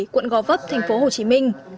quận gò vấp thành phố hồ chí minh